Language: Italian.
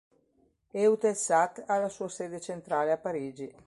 Eutelsat ha la sua sede centrale a Parigi.